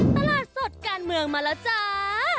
ตลาดสดการเมืองมาแล้วจ้า